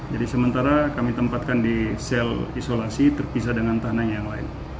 jadi sementara kami tempatkan di sel isolasi terpisah dengan tanah yang lain